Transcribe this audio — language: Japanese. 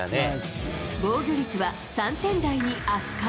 防御率は３点台に悪化。